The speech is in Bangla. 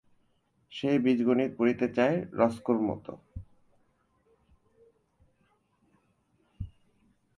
সে বীজগণিত পড়িতে চায় রস্কোর মতো।